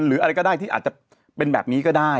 อะไรก็ได้ที่อาจจะเป็นแบบนี้ก็ได้